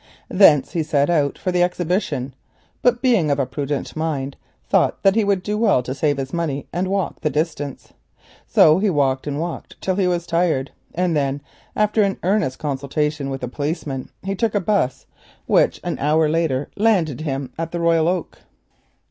Thence he set out for the Exhibition, but, being of a prudent mind, thought that he would do well to save his money and walk the distance. So he walked and walked till he was tired, and then, after an earnest consultation with a policeman, he took a 'bus, which an hour later landed him—at the Royal Oak.